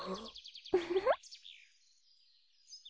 ウフフ。